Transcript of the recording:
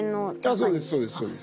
そうですそうです。